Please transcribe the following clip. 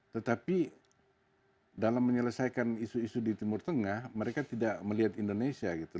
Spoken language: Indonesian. tetapi dalam menyelesaikan isu isu di timur tengah mereka tidak melihat indonesia gitu